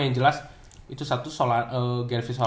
yang jelas itu satu gelfis solano